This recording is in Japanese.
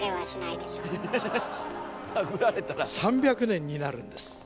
３００年になるんです。